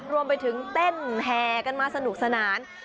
รวมไปถึงเต้นแห่กันมาสนุกสนาน